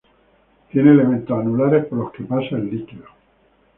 Tiene elementos anulares por los que pasa el líquido.